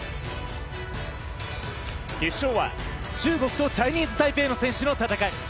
決勝は中国とチャイニーズタイペイの選手との戦い。